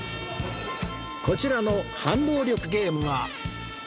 こちらの反応力ゲームは